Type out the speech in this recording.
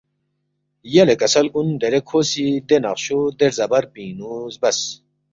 یلے کسل کُن دیرے کھو سی دے نقشو دے رزا بر پِنگ نُو زبَس